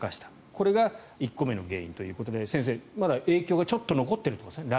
これが１個目の原因ということで先生、まだ影響がちょっと残っていると。